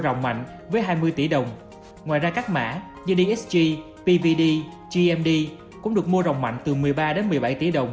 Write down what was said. rồng mạnh với hai mươi tỷ đồng ngoài ra các mã như dsg pvd gmd cũng được mua rồng mạnh từ một mươi ba một mươi bảy tỷ đồng